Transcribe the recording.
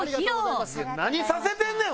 何させてるねん！